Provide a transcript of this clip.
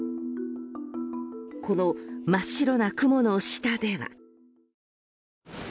この真っ白な雲の下では。